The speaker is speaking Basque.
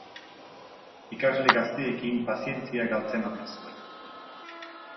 Ikasle gazteekin pazientzia galtzen omen zuen.